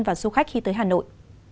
và du khách khi tới hà nội